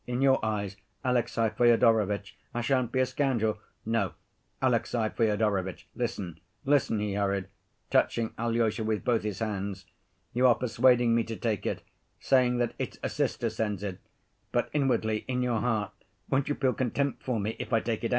In your eyes, Alexey Fyodorovitch, I shan't be a scoundrel? No, Alexey Fyodorovitch, listen, listen," he hurried, touching Alyosha with both his hands. "You are persuading me to take it, saying that it's a sister sends it, but inwardly, in your heart won't you feel contempt for me if I take it, eh?"